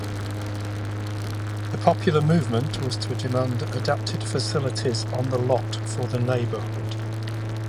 The popular movement was to demand adapted facilities on the lot for the neighbourhood.